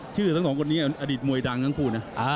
ทั้งสองคนนี้อดีตมวยดังทั้งคู่นะ